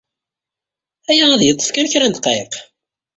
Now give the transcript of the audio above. Aya ad yeḍḍef kan kra n ddqayeq.